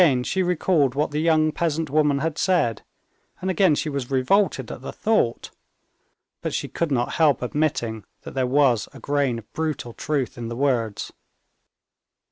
Again she recalled what the young peasant woman had said, and again she was revolted at the thought; but she could not help admitting that there was a grain of brutal truth in the words.